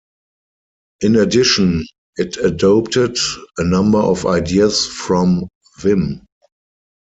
In addition, it adopted a number of ideas from Vim.